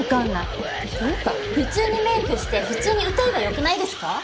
ていうか普通にメークして普通に歌えば良くないですか？